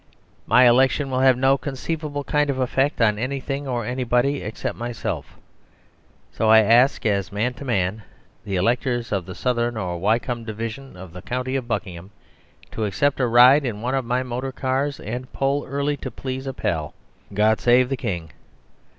My election will have no conceivable kind of effect on anything or anybody except myself; so I ask, as man to man, the Electors of the Southern or Wycombe Division of the County of Buckingham to accept a ride in one of my motor cars; and poll early to please a pal God Save the King."